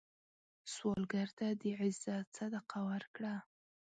سوالګر ته د عزت صدقه ورکړه